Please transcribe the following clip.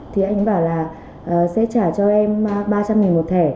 thì anh bảo là sẽ trả cho em ba trăm linh một thẻ